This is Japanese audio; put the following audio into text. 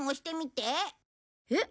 えっ？